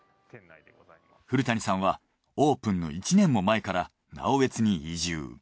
古谷さんはオープンの１年も前から直江津に移住。